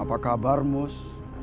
apa kabar mus